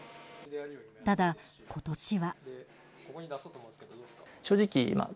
ただ、今年は。